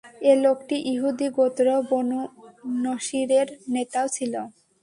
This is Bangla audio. এ লোকটি ইহুদী গোত্র বনু নষীরের নেতাও ছিল।